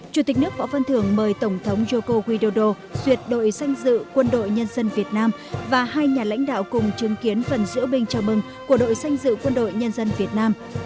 chủ tịch nước võ văn thưởng mời tổng thống yoko widodo xuyệt đội sanh dự quân đội nhân dân việt nam và hai nhà lãnh đạo cùng chứng kiến phần giữa binh chào mừng của đội sanh dự quân đội nhân dân việt nam